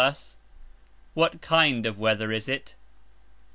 What kind of weather is it?